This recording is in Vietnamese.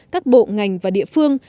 các bộ ngành và địa phương